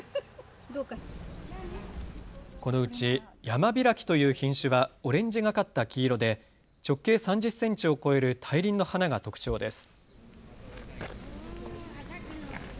このうち山開きという品種はオレンジがかった黄色で直径３０センチを超える大輪の花が特徴です。